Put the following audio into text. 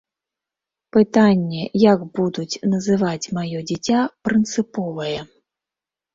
Пытанне, як будуць называць маё дзіця, прынцыповае.